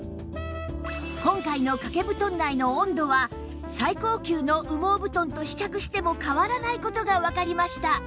今回の掛け布団内の温度は最高級の羽毛布団と比較しても変わらない事がわかりました